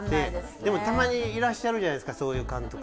でもたまにいらっしゃるじゃないですかそういう監督さんが。